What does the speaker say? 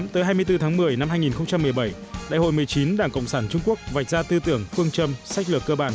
tới hai mươi bốn tháng một mươi năm hai nghìn một mươi bảy đại hội một mươi chín đảng cộng sản trung quốc vạch ra tư tưởng phương châm sách lược cơ bản